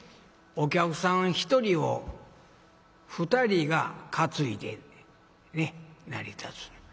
お客さん１人を２人が担いで成り立つ。